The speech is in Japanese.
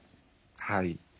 はい。